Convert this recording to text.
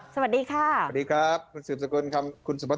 สวัสดีครับสวัสดีครับคุณสิบสกุลคุณสมศลครับ